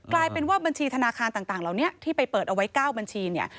กลายเป็นว่าบัญชีธนาคารต่างเหล่านี้ที่ไปเปิดเอาไว้๙บัญชีเนี่ย